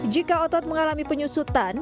jika otot mengalami penyusutan